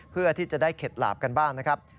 เพื่อที่จะได้เข็ดหลาบกันบ้างนะครับ